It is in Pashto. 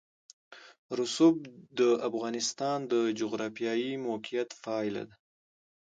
رسوب د افغانستان د جغرافیایي موقیعت پایله ده.